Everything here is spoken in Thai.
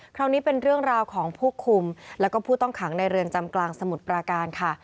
คราวนี้เป็นเรื่องราวของผู้คุมแล้วก็ผู้ต้องขังในเรือนจำกลางสมุทรปราการค่ะ